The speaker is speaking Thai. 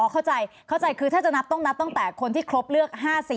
เข้าใจเข้าใจคือถ้าจะนับต้องนับตั้งแต่คนที่ครบเลือก๕๔